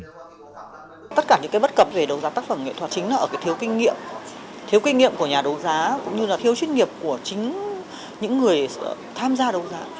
tất cả những bất cập về đấu giá tác phẩm nghệ thuật chính là ở thiếu kinh nghiệm của nhà đấu giá cũng như thiếu chuyên nghiệp của chính những người tham gia đấu giá